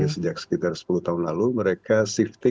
sejak sekitar sepuluh tahun lalu mereka shift